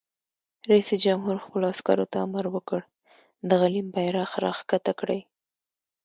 رئیس جمهور خپلو عسکرو ته امر وکړ؛ د غلیم بیرغ راکښته کړئ!